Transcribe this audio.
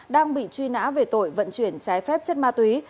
đang bị truy nã về tội vận chuyển trái phép chất ma túy